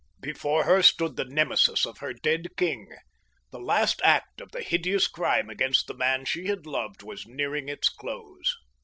Before her stood the Nemesis of her dead king. The last act of the hideous crime against the man she had loved was nearing its close.